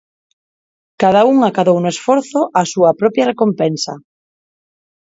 Cada un acadou no esforzo a súa propia recompensa.